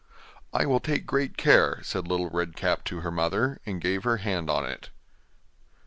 'I will take great care,' said Little Red Cap to her mother, and gave her hand on it.